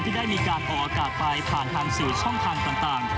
ได้มีการออกอากาศไปผ่านทางสื่อช่องทางต่าง